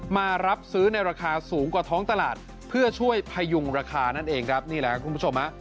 มารับซื้อในราคาสูงกว่าท้องตลาดเพื่อช่วยพยุงราคานั่นเองนี่ละครับ